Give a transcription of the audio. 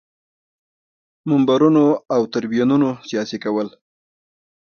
منبرونو او تریبیونونو سیاسي کول.